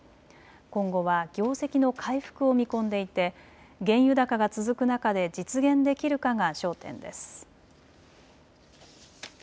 今後は業績の回復を見込んでいて原油高が続く中で実現できるかが焦点です。